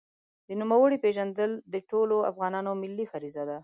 د نوموړي پېژندل د ټولو افغانانو ملي فریضه ده.